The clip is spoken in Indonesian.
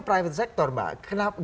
kita bisa mengatasi private sector